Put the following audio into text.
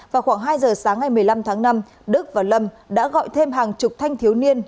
vào khoảng hai giờ sáng ngày một mươi năm tháng năm đức và lâm đã gọi thêm hàng chục thanh thiếu niên